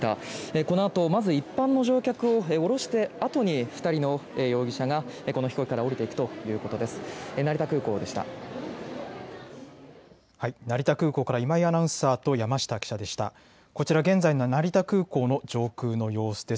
このあと一般の乗客を降ろしたあとに２人の容疑者が飛行機から降りてくるということです。